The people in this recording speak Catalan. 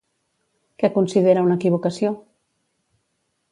Què considera una equivocació?